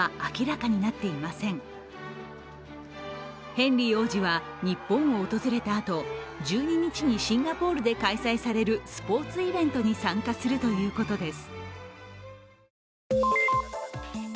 ヘンリー王子は日本を訪れたあと１２日にシンガポールで開催されるスポーツイベントに参加するということです。